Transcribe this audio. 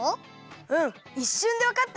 うんいっしゅんでわかったよ。